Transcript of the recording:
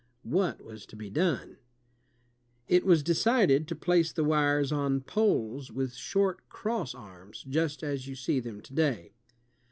What was to be done? It was decided to place the wires on poles with short crossarms just as you see them to day.